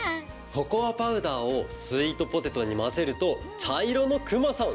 ココアパウダーをスイートポテトにまぜるとちゃいろのクマさん！